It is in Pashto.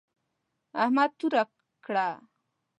احمد توره کړه.